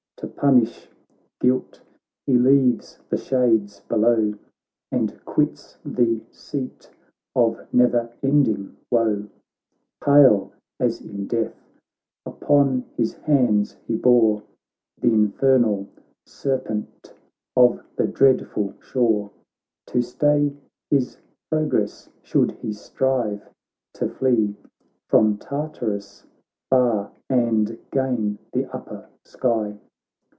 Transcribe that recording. To punish guilt, he leaves the shades below And quits the seat of never ending woe : Pale as in death, upon his hands he bore Th' infernal serpentofthe dreadful shore, To stay his progress should he strive to fly From Tart'rus far^and gain the upper sky